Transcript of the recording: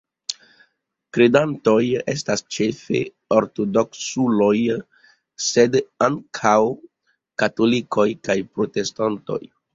Kredantoj estas ĉefe ortodoksuloj, sed ankaŭ katolikoj kaj protestantoj.